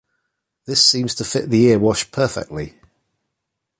This seems to fit the Erewash perfectly.